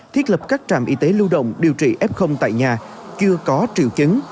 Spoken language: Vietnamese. thiết lập các trạm y tế lưu động điều trị f tại nhà chưa có triệu chứng